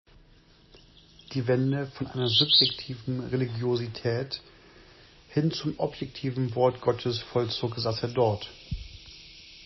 Die Wende von einer subjektiven Religiosität hin zum objektiven Wort Gottes vollzog Sasse dort.